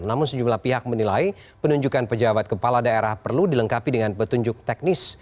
namun sejumlah pihak menilai penunjukan pejabat kepala daerah perlu dilengkapi dengan petunjuk teknis